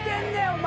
お前。